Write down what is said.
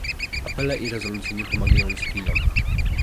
Apele i rezolucje nie pomagają cywilom